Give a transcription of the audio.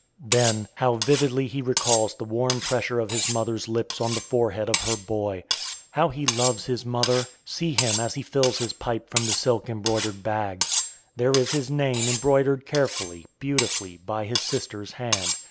Then, how vividly he recalls the warm pressure of his mother's lips on the forehead of her boy! How he loves his mother! See him as he fills his pipe from the silk embroidered bag. There is his name embroidered carefully, beautifully, by his sister's hand.